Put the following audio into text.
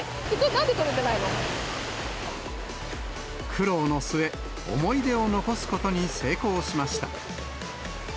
なんで撮れ苦労の末、思い出を残すことに成功しました。